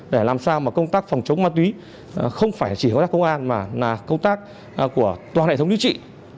để làm sao mà công tác phòng chống ma túy không phải chỉ có tác công an mà là công tác của toàn hệ thống chính trị